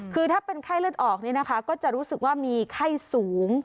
คือถ้าเป็นไข้เลือดออกก็จะรู้สึกว่ามีไข้สูง